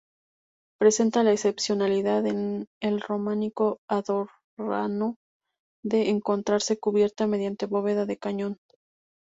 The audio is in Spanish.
Presenta la excepcionalidad en el románico andorrano de encontrarse cubierta mediante bóveda de cañón.